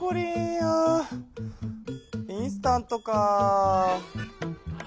あインスタントか。